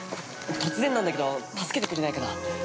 突然なんだけど助けてくれないかな。